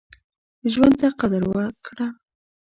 ژوند ته قدر وکړه.